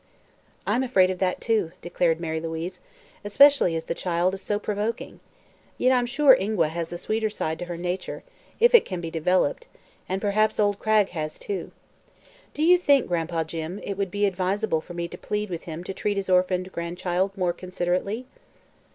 "I'm afraid of that, too," declared Mary Louise, "especially as the child is so provoking. Yet I'm sure Ingua has a sweeter side to her nature, if it can be developed, and perhaps old Cragg has, too. Do you think, Gran'pa Jim, it would be advisable for me to plead with him to treat his orphaned grandchild more considerately?"